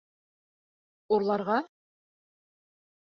Урларға?